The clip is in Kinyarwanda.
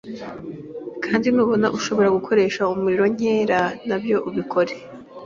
kandi nubona ushobora gukoresha umuriro nkera nabyo ubikore